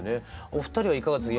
お二人はいかがです？